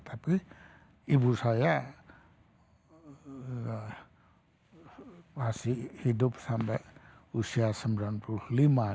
tapi ibu saya masih hidup sampai usia sembilan puluh lima tahun